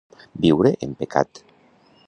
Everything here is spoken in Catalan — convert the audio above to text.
Viure en pecat.